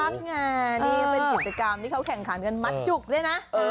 ไงนี่เป็นกิจกรรมที่เขาแข่งขันกันมัดจุกด้วยนะ